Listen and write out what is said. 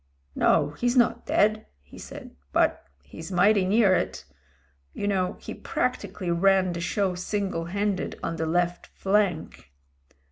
"No, he's not dead," he said, "but — he's mighty near it. You know he practically ran the show single handed on the left flank."